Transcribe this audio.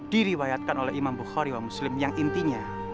diriwayatkan oleh imam bukhari wa muslim yang intinya